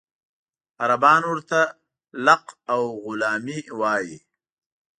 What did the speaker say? عربان ورته لق او غلامي وایي.